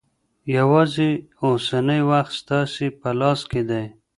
یوازې اوسنی وخت ستاسې په لاس کې دی.